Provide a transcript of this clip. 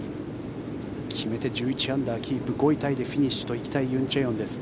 決めて１１アンダーキープ５位タイでフィニッシュと行きたいユン・チェヨンです。